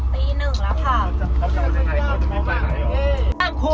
ปี๑แล้วค่ะ